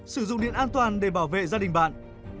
sử dụng điện an toàn để bảo vệ gia đình bạn